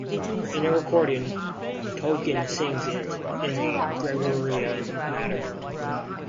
In a recording, Tolkien sings it in a Gregorian manner.